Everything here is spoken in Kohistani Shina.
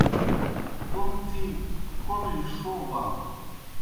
کوْم تِھیک کوْمِجیْ ݜوبانوْ۔